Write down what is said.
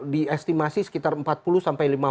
diestimasi sekitar empat puluh sampai lima puluh